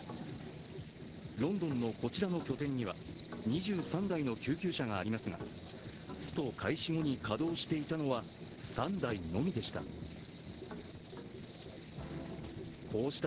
ロンドンのこちらの拠点には２３台の救急車がありますがスト開始後に稼働していたのは３台のみでした。